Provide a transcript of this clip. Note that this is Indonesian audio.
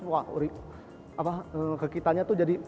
wah kegiatannya tuh jadi